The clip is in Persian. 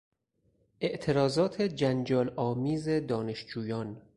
اعتراضات جنجال آمیز دانشجویان